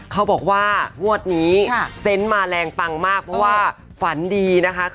ก็บอกว่าบนของนี้แสนมาแรงพังมากเพราะว่าฝันดีนะคะ